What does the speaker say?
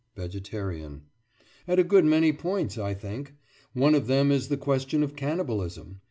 VEGETARIAN: At a good many points, I think. One of them is the question of cannibalism.